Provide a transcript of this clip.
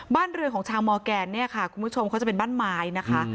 บ้านเรือของชาวมอร์แกนเนี่ยค่ะคุณผู้ชมเขาจะเป็นบ้านไม้นะคะ